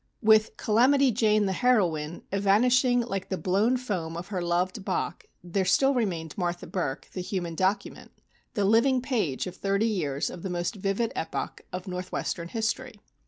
With "Calamity Jane," the heroine, evanishing like the blown foam of her loved Bock, there still remained Martha Burk, the human document, the living page of thirty years of the most vivid epoch of Northwestern history.